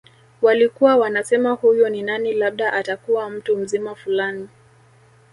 Walikuwa wanasema huyu ni nani labda atakuwa mtu mzima fulani